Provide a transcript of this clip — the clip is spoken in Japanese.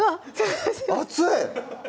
熱い！